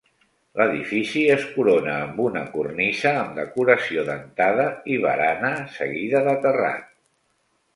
L'edifici es corona amb una cornisa amb decoració dentada i barana seguida de terrat.